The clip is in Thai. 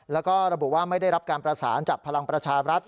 แล้วก็ระบุว่าไม่ได้รับการประสานจากพลังประชาบรัฐ